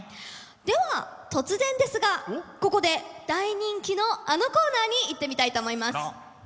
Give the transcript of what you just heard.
では突然ですがここで大人気のあのコーナーにいってみたいと思います。